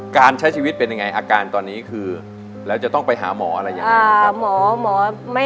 การใช้ชีวิตเป็นยังไงอาการตอนนี้คือแล้วจะต้องไปหาหมออะไรยังไง